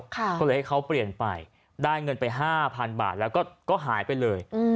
ก็เลยให้เขาเปลี่ยนไปได้เงินไป๕๐๐๐บาทแล้วก็หายไปเลย